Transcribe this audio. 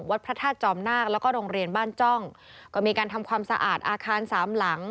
พระธาตุจอมนาคแล้วก็โรงเรียนบ้านจ้องก็มีการทำความสะอาดอาคารสามหลัง